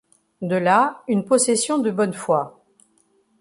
De là une possession de bonne foi.